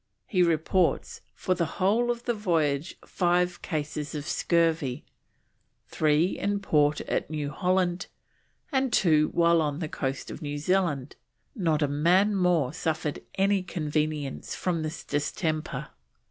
He reports FOR THE WHOLE OF THE VOYAGE, FIVE CASES OF SCURVY, "three in Port at New Holland, and two while on the Coast of New Zealand, not a man more suffered any inconvenience from this distemper."